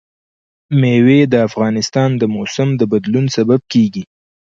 مېوې د افغانستان د موسم د بدلون سبب کېږي.